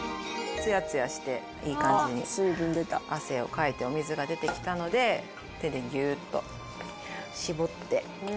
ツヤツヤしていい感じに汗をかいてお水が出てきたので手でギュッと絞って。